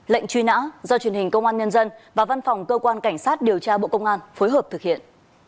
lệnh truy nã do truyền hình công an nhân dân và văn phòng cơ quan cảnh sát điều tra bộ công an phối hợp thực hiện